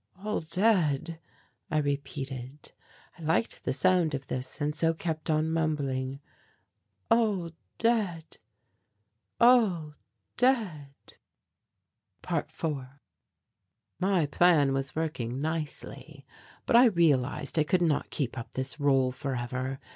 "All dead," I repeated. I liked the sound of this and so kept on mumbling "All dead, all dead." ~4~ My plan was working nicely. But I realized I could not keep up this rôle for ever.